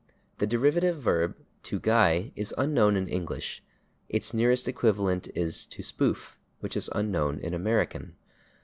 The derivative verb, /to guy/, is unknown in English; its nearest equivalent is /to spoof/, which is unknown in American.